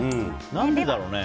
何でだろうね。